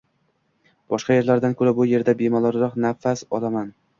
Boshqa yerlardan koʻra bu yerda bemalolroq nafas olaman.